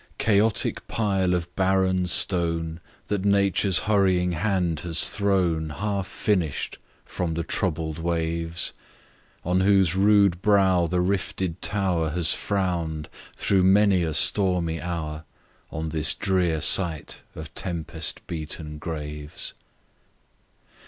CHAOTIC pile of barren stone, That Nature's hurrying hand has thrown, Half finish'd, from the troubled waves; On whose rude brow the rifted tower Has frown'd, through many a stormy hour, On this drear site of tempest beaten graves.